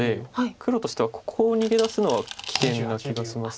黒としてはここを逃げ出すのは危険な気がします。